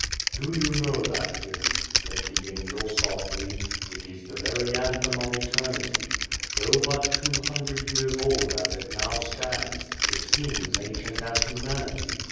Do you know that hymn ?" said the Angel softly. "It is the very anthem of eternity. Though but two hundred years old as it now stands, it seems ancient as humanity.